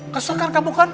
kesel kan kamu kan